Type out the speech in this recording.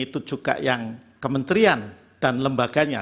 itu juga yang kementerian dan lembaganya